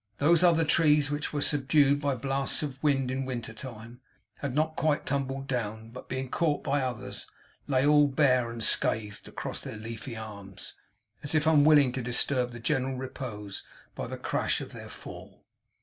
Those other trees which were subdued by blasts of wind in winter time, had not quite tumbled down, but being caught by others, lay all bare and scathed across their leafy arms, as if unwilling to disturb the general repose by the crash of their fall.